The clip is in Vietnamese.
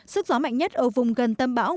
sức gió mạnh nhất ở vùng gần tâm bão